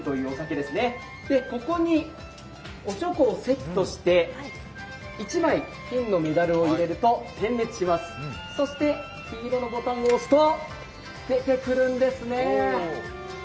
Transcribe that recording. ここにおちょこをセットして１枚金のメダルを入れると点滅します、そして黄色のボタンを押すと、出てくるんですね。